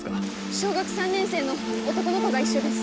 小学３年生の男の子が一緒です。